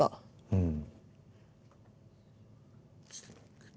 うん。